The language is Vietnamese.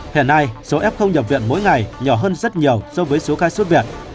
hiện nay số f nhập viện mỗi ngày nhỏ hơn rất nhiều so với số ca xuất viện